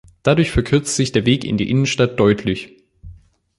Dadurch verkürzt sich der Weg in die Innenstadt deutlich.